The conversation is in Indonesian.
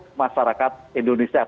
untuk masyarakat indonesia